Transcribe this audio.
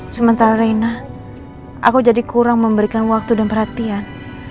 sementara rina aku jadi kurang memberikan waktu dan perhatian